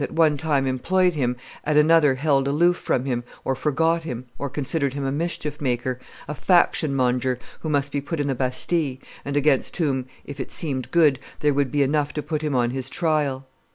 at one time employed him, at another held aloof from him, or forgot him, or considered him a mischief maker, a faction monger who must be put in the Bastille, and against whom, if it seemed good, there would be enough to put him on his trial.